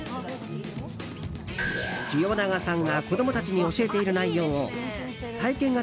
清永さんが子供たちに教えている内容を体験型